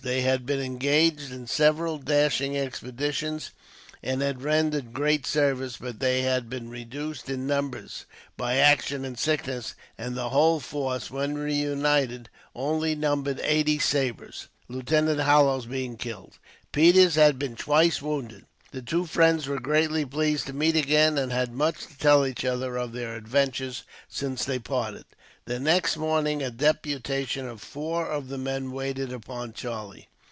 They had been engaged in several dashing expeditions, and had rendered great service; but they had been reduced in numbers, by action and sickness; and the whole force, when reunited, only numbered eighty sabres Lieutenant Hallowes being killed. Peters had been twice wounded. The two friends were greatly pleased to meet again, and had much to tell each other of their adventures, since they parted. The next morning, a deputation of four of the men waited upon Charlie.